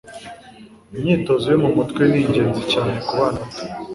Imyitozo yo mu mutwe ni ingenzi cyane kubana bato